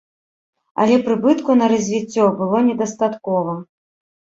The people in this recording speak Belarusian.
Але прыбытку на развіццё было недастаткова.